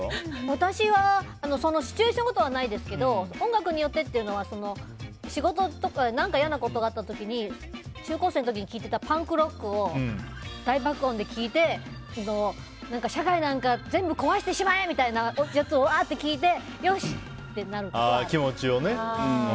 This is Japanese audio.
私はシチュエーションごとはないですけど音楽によってというのは仕事とか何か嫌なことがあった時中高生の時に聴いてたパンクロックを大爆音で聴いて社会なんか全部壊してしまえ！みたいなやつを聴いてよし！ってなることはある。